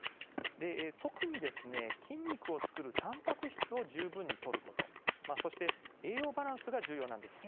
特に筋肉を作る、たんぱく質を十分にとることそして栄養バランスが重要です。